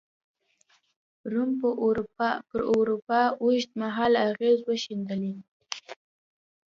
روم پر اروپا اوږد مهاله اغېزې وښندلې.